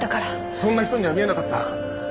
そんな人には見えなかった。